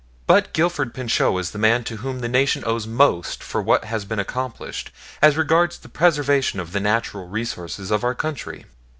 But Gifford Pinchot is the man to whom the nation owes most for what has been accomplished as regards the preservation of the natural resources of our country.